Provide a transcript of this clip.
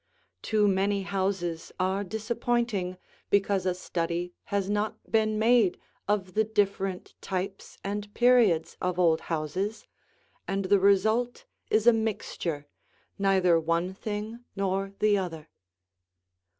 Too many houses are disappointing because a study has not been made of the different types and periods of old houses, and the result is a mixture, neither one thing nor the other.